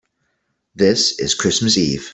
This is Christmas Eve.